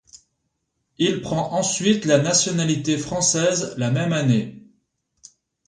Il prend ensuite la nationalité française la même année.